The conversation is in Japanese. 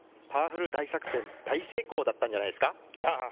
パワフル大作戦、大成功だったんじゃないですか？